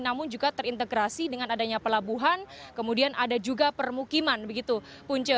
namun juga terintegrasi dengan adanya pelabuhan kemudian ada juga permukiman begitu punca